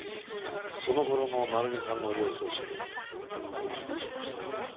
その頃の成美さんの様子を知りたくて今日はお伺いしました。